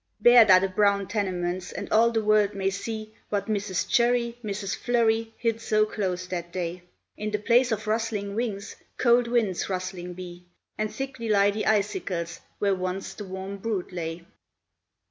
Bared are the brown tenements, and all the world may see What Mrs. Chirry, Mrs. Flurry, hid so close that day. In the place of rustling wings, cold winds rustling be, And thickly lie the icicles where once the warm brood lay.